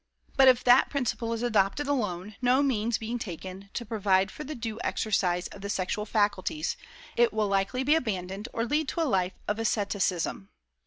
But if that principle is adopted alone, no means being taken to provide for the due exercise of the sexual faculties, it will likely be abandoned or lead to a life of asceticism.